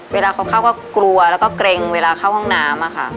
เวลาเขาเข้าก็กลัวแล้วก็เกร็งเวลาเข้าห้องน้ำค่ะ